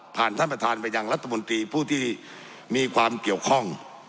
ท่านประธานไปยังรัฐมนตรีผู้ที่มีความเกี่ยวข้อง